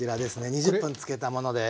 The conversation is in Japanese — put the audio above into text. ２０分つけたものです。